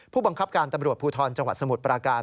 ผู้บังคับการตำรวจภูทรจังหวัดสมุทรปราการ